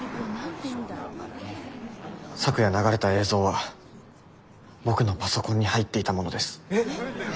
昨夜流れた映像は僕のパソコンに入っていたものです。え！？